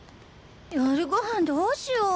夜ごはんどうしよう？